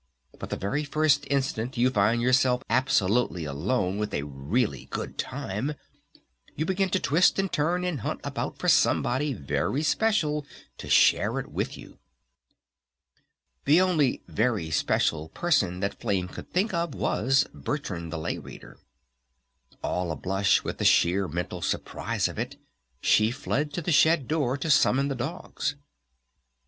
But the very first instant you find yourself absolutely alone with a Really Good Time you begin to twist and turn and hunt about for somebody Very Special to share it with you! The only "Very Special" person that Flame could think of was "Bertrand the Lay Reader." All a blush with the sheer mental surprise of it she fled to the shed door to summon the dogs.